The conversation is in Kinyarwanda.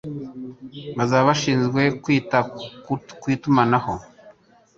bazaba bashinzwe kwita ku itumanaho